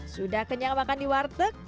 sudah kenyang makan di warteg